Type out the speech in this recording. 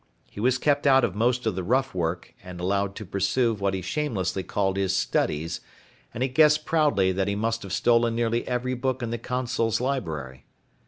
He was kept out of most of the rough work end allowed to pursue what he shamelessly called his 'studies', and he guessed proudly that he must have stolen nearly every book in the Consul's library.